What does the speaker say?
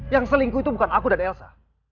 yang selingkuh itu bukan aku dan elsa